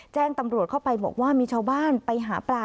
แจ้งตำรวจเข้าไปบอกว่ามีชาวบ้านไปหาปลา